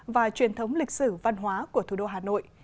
và truyền thống lịch sử văn hóa của thủ đô hà nội